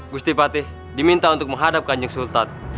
gusti fatih diminta untuk menghadapkan anjong sultan